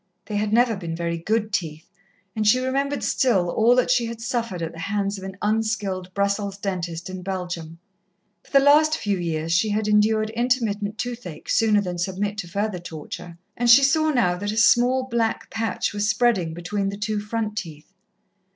They had never been very good teeth, and she remembered still all that she had suffered at the hands of an unskilled Brussels dentist in Belgium. For the last few years she had endured intermittent toothache, sooner than submit to further torture, and she saw now that a small black patch was spreading between the two front teeth.